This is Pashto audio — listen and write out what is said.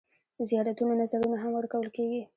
د زیارتونو نذرونه هم ورکول کېږي.